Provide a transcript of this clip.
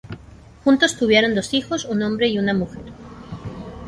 Juntos tuvieron dos hijos; un hombre y una mujer.